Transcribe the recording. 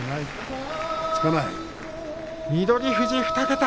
翠富士２桁。